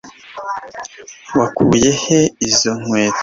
Wakuye he izo nkweto zisa zidasanzwe